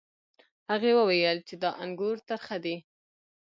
هغې وویل چې دا انګور ترخه دي.